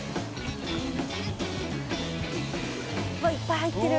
うわっいっぱい入ってる！